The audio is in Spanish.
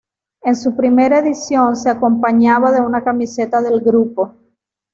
En su primera edición, se acompañaba de una camiseta del grupo.